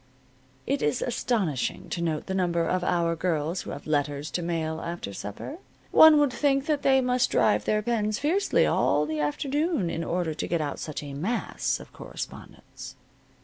It is astonishing to note the number of our girls who have letters to mail after supper. One would think that they must drive their pens fiercely all the afternoon in order to get out such a mass of correspondence.